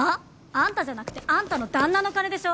あんたじゃなくてあんたの旦那の金でしょ？